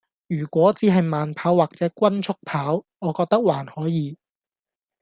如果只係慢跑或者均速跑，我覺得還可以